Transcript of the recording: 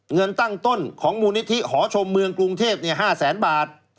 เงินตั้งต้นของมูลนิธิหอชมเมืองกรุงเทพ๕แสนบาท